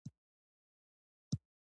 خلک پر راټول شول یو غم دوه شو.